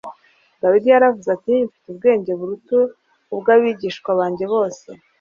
Dawidi yaravuze ati: "Mfite ubwenge buruta ubw'abigisha banjye bose;